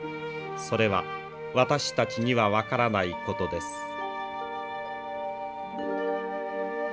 それは私たちには分からないことです。